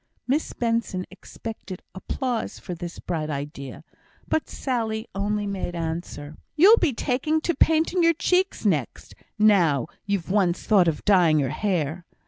Miss Benson expected applause for this bright idea, but Sally only made answer: "You'll be taking to painting your cheeks next, now you've once thought of dyeing your hair."